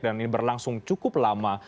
dan ini berlangsung cukup lama